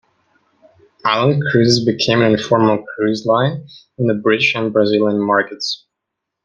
Island Cruises became an informal cruise line on the British and Brazilian markets.